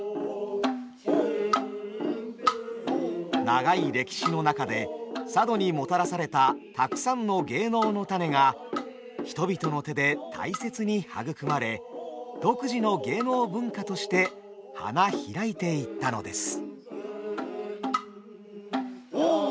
長い歴史の中で佐渡にもたらされたたくさんの芸能の種が人々の手で大切に育まれ独自の芸能文化として花開いていったのです。